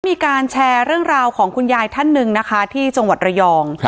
มีการแชร์เรื่องราวของคุณยายท่านหนึ่งนะคะที่จังหวัดระยอง